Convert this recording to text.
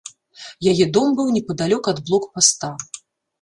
Яе дом быў непадалёк ад блокпаста.